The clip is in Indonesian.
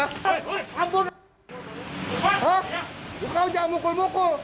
kau jangan mukul mukul